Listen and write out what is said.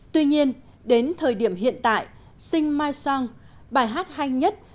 tuy nhiên đến thời điểm hiện tại sing my song bài hát hay nhất